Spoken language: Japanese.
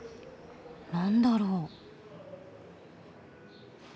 何だろう？